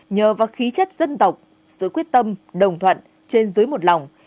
nhờ vào khí chất dân tộc sự quyết tâm đồng thuận trên dưới một lòng